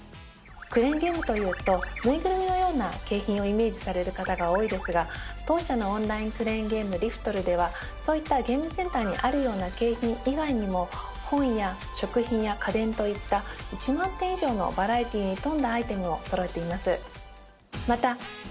クレーンゲームというとぬいぐるみのような景品をイメージされる方が多いですが当社のオンラインクレーンゲーム『ＬＩＦＴる。』ではそういったゲームセンターにあるような景品以外にも本や食品や家電といった１万点以上のバラエティーに富んだアイテムをそろえています。